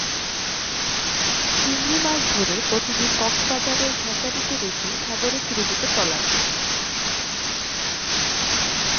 চিংড়ি মাছ ধরে প্রতিদিন কক্সবাজারের হ্যাচারিতে রেখে সাগরে ফিরে যেত ট্রলারটি।